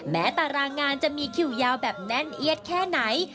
ตารางงานจะมีคิวยาวแบบแน่นเอียดแค่ไหน